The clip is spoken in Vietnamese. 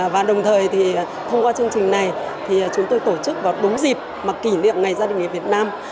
và đồng thời thì thông qua chương trình này thì chúng tôi tổ chức vào đúng dịp kỷ niệm ngày gia đình người việt nam